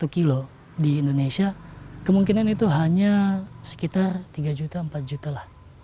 satu kg di indonesia kemungkinan itu hanya sekitar tiga empat juta lah